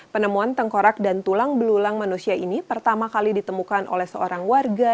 penemuan tengkorak dan tulang belulang manusia ini pertama kali ditemukan oleh seorang warga